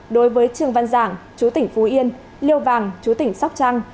đối với trường văn giảng chú tỉnh phú yên liêu vàng chú tỉnh sóc trăng